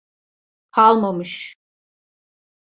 Kalmamış.